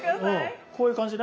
こういう感じね？